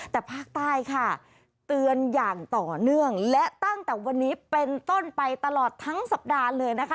แต่ภาคใต้ค่ะเตือนอย่างต่อเนื่องและตั้งแต่วันนี้เป็นต้นไปตลอดทั้งสัปดาห์เลยนะคะ